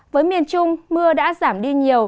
với miền trung mưa đã giảm đi nhiều